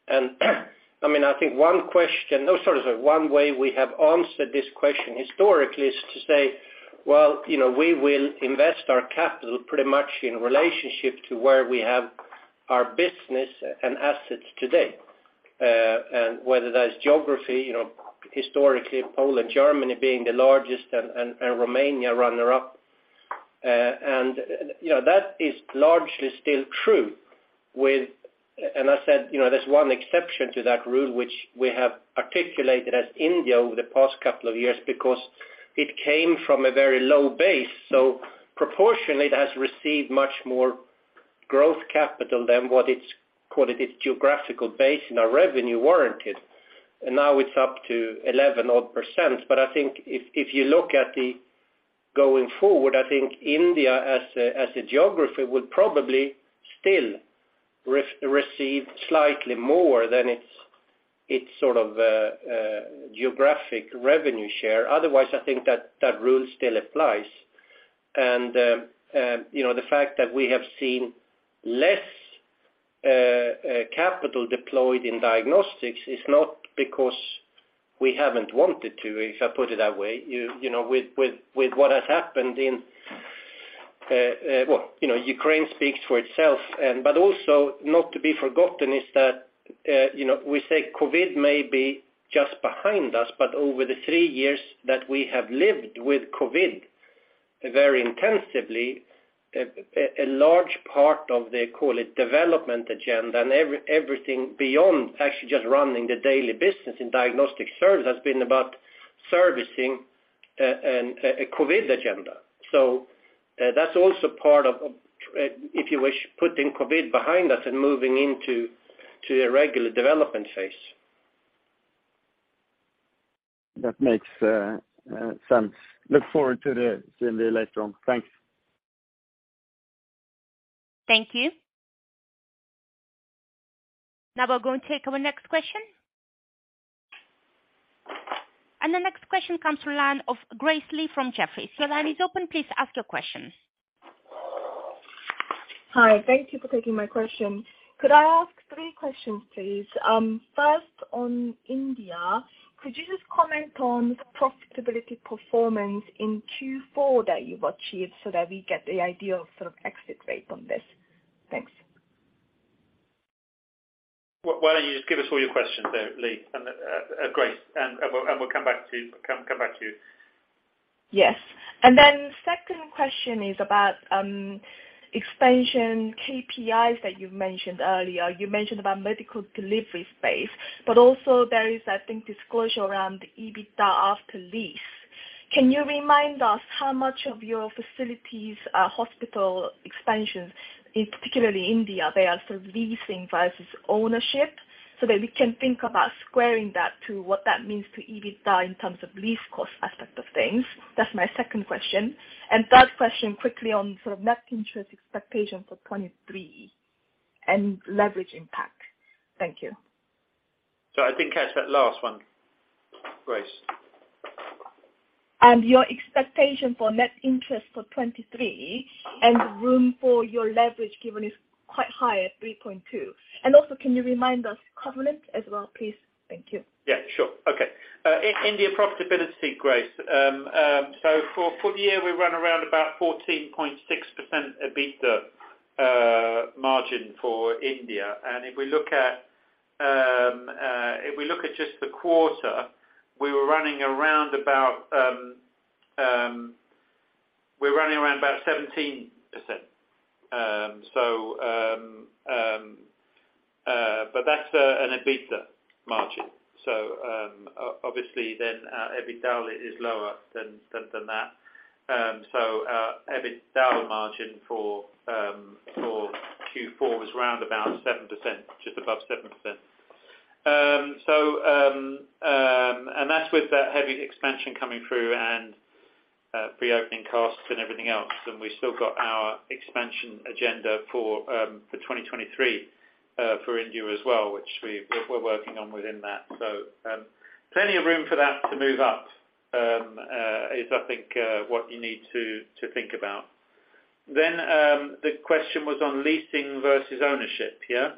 I mean, I think one question. Sorry, sorry. One way we have answered this question historically is to say, well, you know, we will invest our capital pretty much in relationship to where we have our business and assets today. And whether that is geography, you know, historically Poland, Germany being the largest and Romania runner-up. And, you know, that is largely still true with. And I said, you know, there's one exception to that rule which we have articulated as India over the past couple of years because it came from a very low base. Proportionally, it has received much more growth capital than what its, call it, its geographical base and our revenue warranted. Now it's up to 11 odd %. I think if you look at the Going forward, I think India as a, as a geography will probably still re-receive slightly more than its sort of, geographic revenue share. Otherwise, I think that rule still applies. You know, the fact that we have seen less, capital deployed in diagnostics is not because we haven't wanted to, if I put it that way. You know, with, with what has happened in... Well, you know, Ukraine speaks for itself. But also not to be forgotten is that, you know, we say COVID may be just behind us, but over the three years that we have lived with COVID very intensively, a large part of the, call it, development agenda and everything beyond actually just running the daily business in Diagnostic Services has been about servicing an a COVID agenda. That's also part of, if you wish, putting COVID behind us and moving into to a regular development phase. That makes sense. Look forward to the CMD later on. Thanks. Thank you. Now we're going to take our next question. The next question comes from line of David Adlington from Jefferies. Your line is open. Please ask your question. Hi. Thank you for taking my question. Could I ask three questions, please? First on India, could you just comment on the profitability performance in Q4 that you've achieved so that we get the idea of sort of exit rate on this? Thanks. Why don't you just give us all your questions there, David Adlington, and we'll come back to you, come back to you. Yes. Second question is about expansion KPIs that you've mentioned earlier. You mentioned about medical delivery space, but also there is, I think, disclosure around the EBITDA after lease. Can you remind us how much of your facilities are hospital expansions, in particularly India, they are sort of leasing versus ownership so that we can think about squaring that to what that means to EBITDA in terms of lease cost aspect of things? That's my second question. Third question quickly on sort of net interest expectation for 2023 and leverage impact. Thank you. Sorry, I didn't catch that last one, Grace. Your expectation for net interest for 2023 and room for your leverage given is quite high at 3.2. Can you remind us covenant as well, please? Thank you. Yeah, sure. Okay. India profitability, Grace. For full year, we run around about 14.6% EBITDA margin for India. If we look at just the quarter, we were running around about 17%. That's an EBITDA margin. Obviously then, EBITDA is lower than that. EBITDA margin for Q4 was around about 7%, just above 7%. That's with that heavy expansion coming through and pre-opening costs and everything else. We still got our expansion agenda for 2023 for India as well, which we're working on within that. Plenty of room for that to move up, is I think, what you need to think about. The question was on leasing versus ownership, yeah?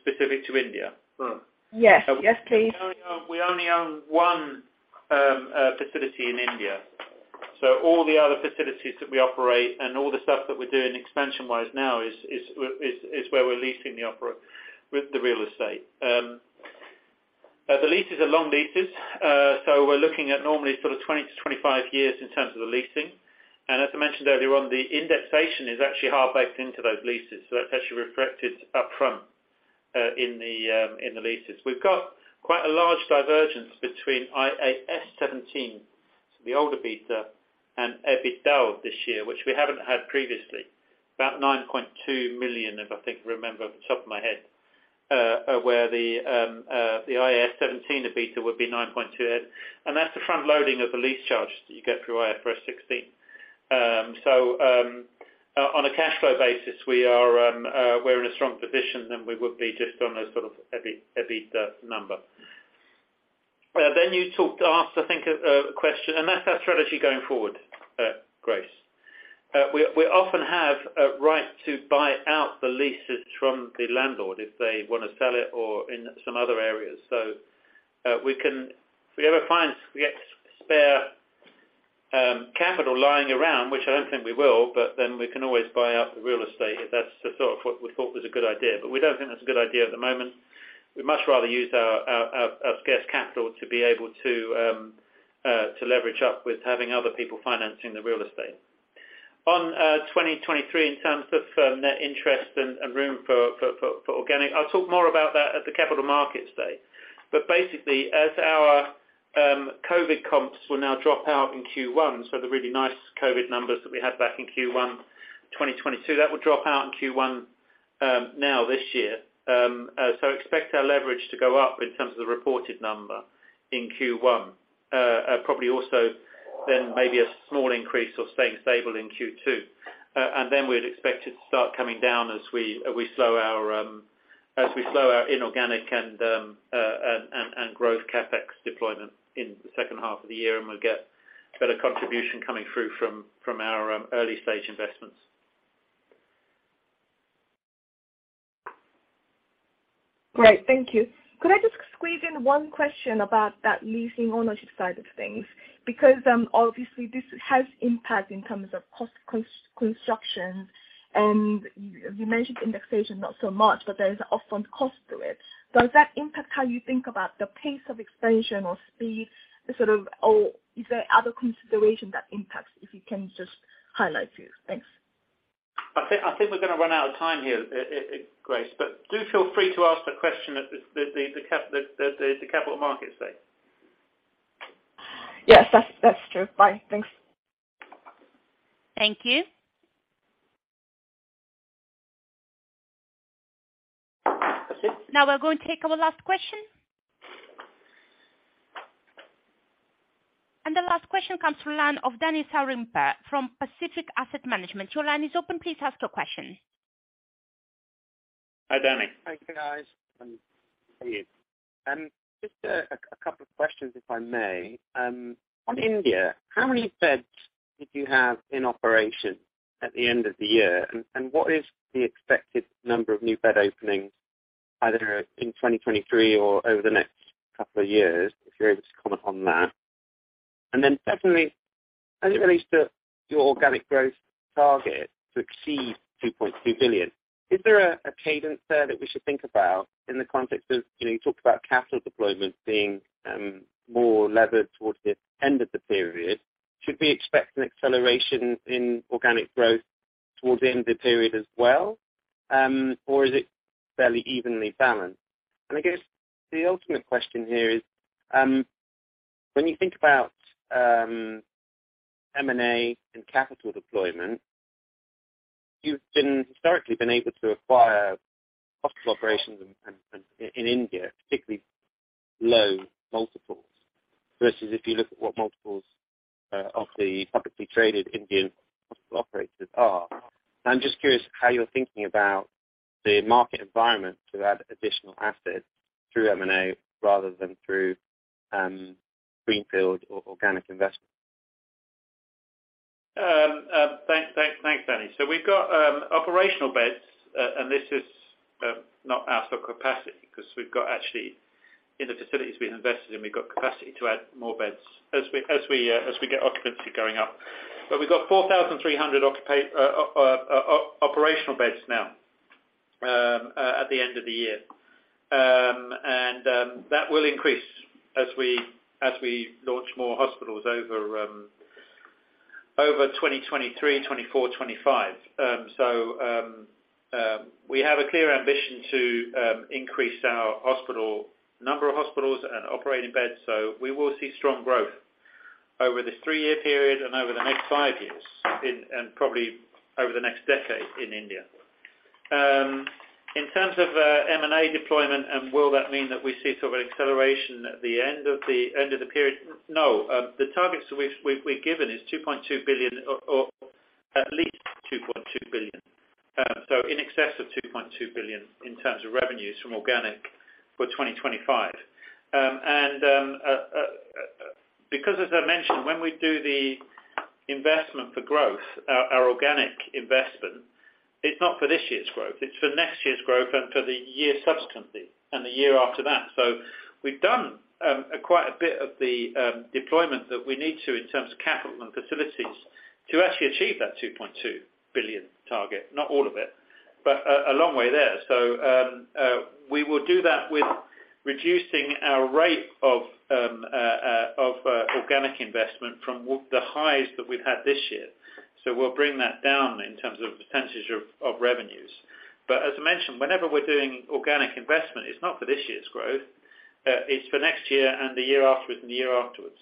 Specific to India. Yes. Yes, please. We only own one facility in India. All the other facilities that we operate and all the stuff that we're doing expansion wise now is where we're leasing with the real estate. The leases are long leases. We're looking at normally sort of 20-25 years in terms of the leasing. As I mentioned earlier on, the indexation is actually hard baked into those leases, so that's actually reflected upfront in the leases. We've got quite a large divergence between IAS 17, so the older EBITDA, and EBITDA this year, which we haven't had previously. About 9.2 million, if I think, remember off the top of my head. where the IAS 17 EBITDA would be 9.28, that's the front loading of the lease charges that you get through IFRS 16. On a cash flow basis, we are in a strong position than we would be just on a sort of EBITDA number. You asked, I think, a question, that's our strategy going forward, Grace. We often have a right to buy out the leases from the landlord if they wanna sell it or in some other areas. We can if we ever find we get spare capital lying around, which I don't think we will, but we can always buy out the real estate if that's the sort of what we thought was a good idea. We don't think that's a good idea at the moment. We'd much rather use our scarce capital to be able to leverage up with having other people financing the real estate. On 2023 in terms of net interest and room for organic, I'll talk more about that at the Capital Markets Day. Basically, as our COVID comps will now drop out in Q1, so the really nice COVID numbers that we had back in Q1 2022, that will drop out in Q1 now this year. So expect our leverage to go up in terms of the reported number in Q1. Probably also then maybe a small increase or staying stable in Q2. Then we'd expect it to start coming down as we slow our as we slow our inorganic and growth CapEx deployment in the second half of the year, and we'll get better contribution coming through from our early-stage investments. Great. Thank you. Could I just squeeze in one question about that leasing ownership side of things? Obviously this has impact in terms of cost, construction, and you mentioned indexation not so much, but there is often cost to it. Does that impact how you think about the pace of expansion or speed, sort of? Is there other consideration that impacts, if you can just highlight here? Thanks. I think we're gonna run out of time here, Grace, do feel free to ask the question at the Capital Markets Day. Yes, that's true. Bye. Thanks. Thank you. Okay. Now we're going to take our last question. The last question comes from the line of Danny Sarimpa from Pacific Asset Management. Your line is open. Please ask your question. Hi, Danny. Hi, guys. How are you? Just a couple of questions, if I may. On India, how many beds did you have in operation at the end of the year? What is the expected number of new bed openings either in 2023 or over the next couple of years, if you're able to comment on that? Definitely as it relates to your organic growth target to exceed 2.2 billion, is there a cadence there that we should think about in the context of, you know, you talked about capital deployment being more levered towards the end of the period. Should we expect an acceleration in organic growth towards the end of the period as well, or is it fairly evenly balanced? I guess the ultimate question here is, when you think about M&A and capital deployment, you've historically been able to acquire hospital operations in India at particularly low multiples versus if you look at what multiples of the publicly traded Indian hospital operators are. I'm just curious how you're thinking about the market environment to add additional assets through M&A rather than through greenfield or organic investment. Thanks, Danny. We've got operational beds, and this is not our full capacity because we've got actually in the facilities we've invested in, we've got capacity to add more beds as we get occupancy going up. We've got 4,300 operational beds now at the end of the year. That will increase as we launch more hospitals over 2023, 2024, 2025. We have a clear ambition to increase our hospital, number of hospitals and operating beds, so we will see strong growth over this three-year period and over the next 5 years in, and probably over the next decade in India. In terms of M&A deployment and will that mean that we see sort of an acceleration at the end of the period? No. The targets we've given is 2.2 billion or at least 2.2 billion, so in excess of 2.2 billion in terms of revenues from organic for 2025. As I mentioned, when we do the investment for growth, our organic investment, it's not for this year's growth, it's for next year's growth and for the year subsequently and the year after that. We've done quite a bit of the deployment that we need to in terms of capital and facilities to actually achieve that 2.2 billion target. Not all of it, but a long way there. We will do that with reducing our rate of organic investment from the highs that we've had this year. We'll bring that down in terms of percentage of revenues. As I mentioned, whenever we're doing organic investment, it's not for this year's growth, it's for next year and the year afterwards and the year afterwards.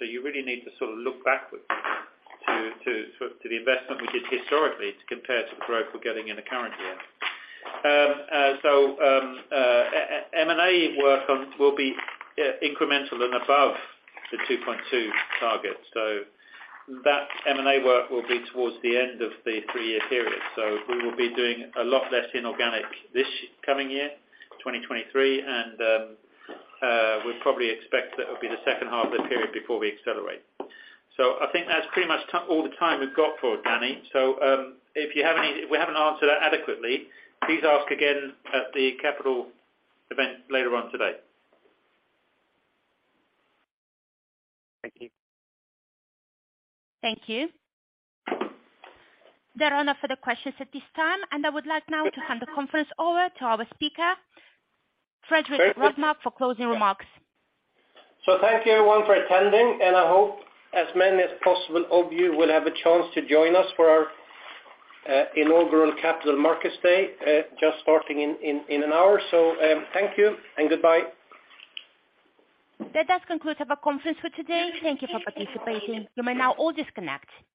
You really need to sort of look backwards to the investment we did historically to compare to the growth we're getting in the current year. M&A work on will be incremental and above the 2.2 target. That M&A work will be towards the end of the three-year period, so we will be doing a lot less inorganic this coming year, 2023. We probably expect that it'll be the second half of the period before we accelerate. I think that's pretty much all the time we've got for Danny. If we haven't answered that adequately, please ask again at the capital event later on today. Thank you. Thank you. There are no further questions at this time, and I would like now to hand the conference over to our speaker, Fredrik Rågmark for closing remarks. Thank you everyone for attending, and I hope as many as possible of you will have a chance to join us for our inaugural Capital Markets Day, just starting in an hour. Thank you and goodbye. That does conclude our conference for today. Thank you for participating. You may now all disconnect.